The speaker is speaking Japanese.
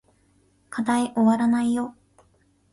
課題おわらないよ